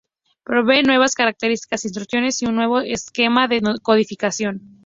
Provee nuevas características, instrucciones y un nuevo esquema de codificación.